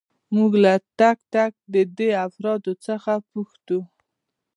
موږ له تک تک دې افرادو څخه پوښتو.